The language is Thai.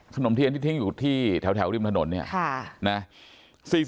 ขนมเทียนที่ทิ้งอยู่ที่แถวริมถนนเนี่ยนะ